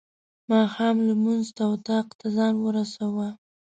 ماښام لمونځ ته اطاق ته ځان ورساوه.